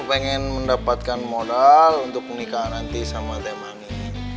ingin mendapatkan modal untuk menikah nanti sama teh manis